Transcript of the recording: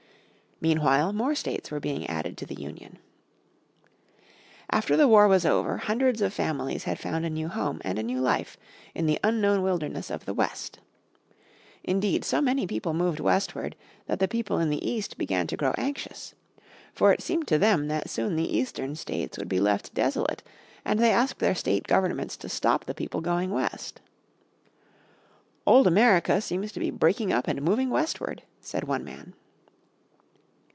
Meanwhile more states were being added to the Union. After the War was over, hundreds of families had found a new home, and a new life, in the unknown wilderness of the West. Indeed, so many people moved westward that the people in the East began to grow anxious. For it seemed to them that soon the eastern states would be left desolate, and they asked their State Governments to stop the people going west. "Old America seems to be breaking up and moving westward," said one man.